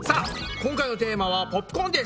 今回のテーマは「ポップコーン」です。